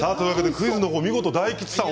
クイズは、お見事大吉さん